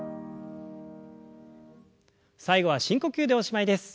最後は深呼吸でおしまいです。